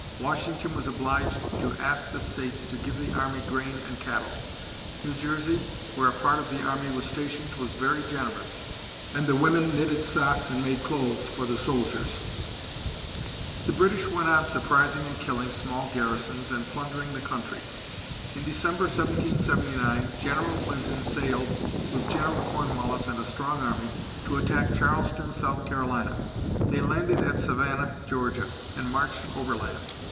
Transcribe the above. Washington was obliged to ask the states to give the army grain and cattle. New Jersey, where a part of the army was stationed, was very generous and the women knitted socks and made clothes for the soldiers. The British went on surprising and killing small garrisons and plundering the country. In December, 1779, General Clinton sailed, with General Cornwallis and a strong army, to attack Charleston, South Carolina. They landed at Savannah, Georgia, and marched overland.